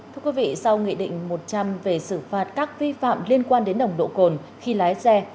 thưa quý vị sau nghị định một trăm linh về xử phạt các vi phạm liên quan đến nồng độ cồn khi lái xe